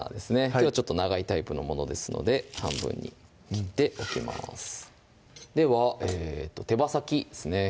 きょうは長いタイプのものですので半分に切っておきますでは手羽先ですね